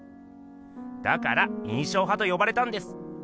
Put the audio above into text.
だから「印象派」と呼ばれたんです。